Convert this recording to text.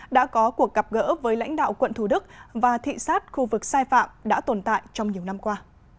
đã có cuộc gặp gỡ với lãnh đạo quận thủ đức và thị sát khu vực sai phạm đã tồn tại trong nhiều năm qua